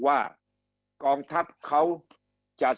คำอภิปรายของสอสอพักเก้าไกลคนหนึ่ง